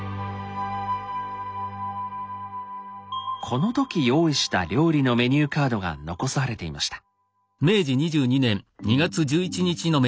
この時用意した料理のメニューカードが残されていました。